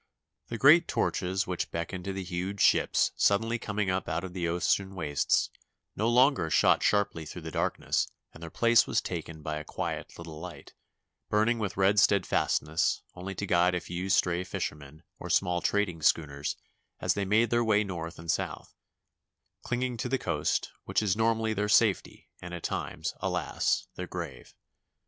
The great torches which beckon to the huge ships suddenly coming up out of the ocean wastes no longer shot sharply through the darkness and their place was taken by a quiet little light, burning with red steadfastness only to guide a few stray fishermen or small trading schooners as they made their way north and south, clinging to the coast, which is normally tneir safety and at times, alas, their grave!